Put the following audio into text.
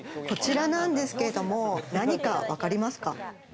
こちらなんですけれど、何かわかりますか？